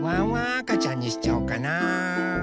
あかちゃんにしちゃおうかな。